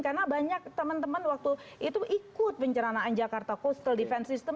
karena banyak teman teman waktu itu ikut penceranaan jakarta coastal defense system